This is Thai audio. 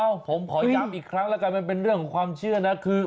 เอาผมขอยามอีกครั้งแล้วกันมันเป็นในความเชื่อนะคือ